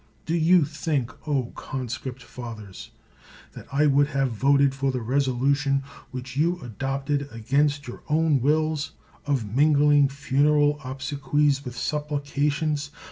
Do you think, O conscript fathers, that I would have voted for the resolution which you adopted against your own wills, of mingling funeral obse quies with supplications?